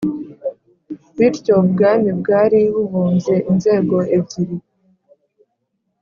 bityo ubwami bwari bubumbye inzego ebyiri